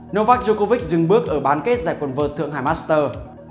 novak djokovic dừng bước ở bán kết giải quần vợt thượng hải master